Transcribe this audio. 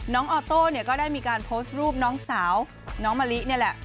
น้องออโต้ก็ได้มีการโพสต์รูปน้องสาวน้องมะลิเนี่ยแหละ